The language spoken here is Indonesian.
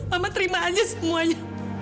mama terima saja semuanya